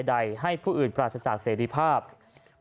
มันรุงเดียวกับครั้งผู้อื่นหรือก็จะทำการด้วยประการใดให้ผู้อื่นปราศจากเสรีภาพ